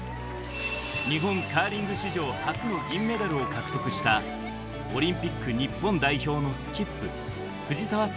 日本カーリング史上初の銀メダルを獲得したオリンピック日本代表のスキップ